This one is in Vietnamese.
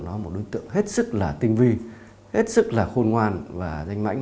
nó là một đối tượng hết sức là tinh vi hết sức là khôn ngoan và danh mãnh